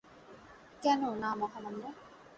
কেনো, না, মহামান্য।